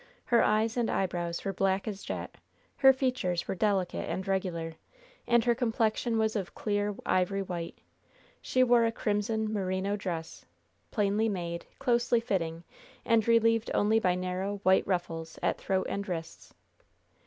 Her eyes and eyebrows were black as jet; her features were delicate and regular; and her complexion was of a clear, ivory white. She wore a crimson, merino dress, plainly made, closely fitting, and relieved only by narrow, white ruffles at throat and wrists.